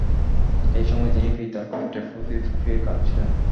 এ সময় তিনি পিতার কষ্টে ফুঁপিয়ে ফুঁপিয়ে কাঁদছিলেন।